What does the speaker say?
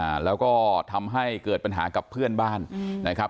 อ่าแล้วก็ทำให้เกิดปัญหากับเพื่อนบ้านอืมนะครับ